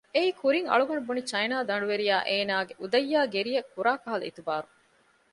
އެއީ ކުރިން އަޅުގަނޑު ބުނި ޗައިނާ ދަނޑުވެރިޔާ އޭނާގެ އުދައްޔާއި ގެރިއަށް ކުރާކަހަލަ އިތުބާރު